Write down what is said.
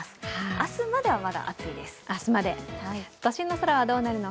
明日までは暑いです。